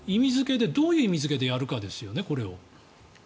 どういう意味付けでやるかですよね、これを。